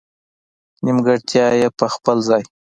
نېمګړتیا یې په خپل ځای.